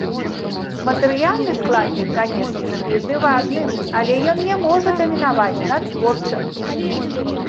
Матэрыяльны складнік, канешне ж, вельмі важны, але ён не можа дамінаваць над творчым.